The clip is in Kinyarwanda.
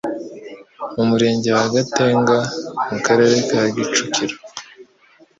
mu murenge wa Gatenga mu Karere ka Kicukiro